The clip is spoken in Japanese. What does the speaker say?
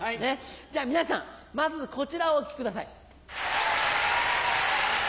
じゃあ皆さんまずこちらをお聞きください。